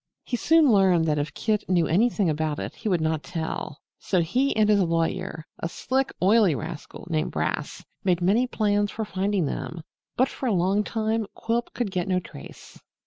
He soon learned that if Kit knew anything about it he would not tell, so he and his lawyer (a sleek, oily rascal named Brass) made many plans for finding them. But for a long time Quilp could get no trace.